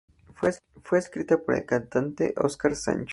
Fue escrita por el cantante Óscar Sancho.